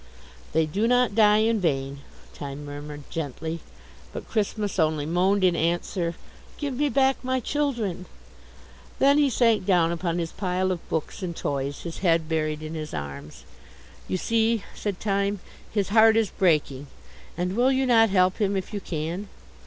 "They do not die in vain," Time murmured gently. But Christmas only moaned in answer: "Give me back my children!" Then he sank down upon his pile of books and toys, his head buried in his arms. "You see," said Time, "his heart is breaking, and will you not help him if you can?"